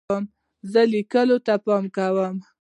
زه لیک ته پام کوم.